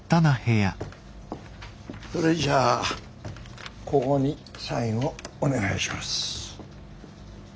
それじゃあここにサインをお願いします。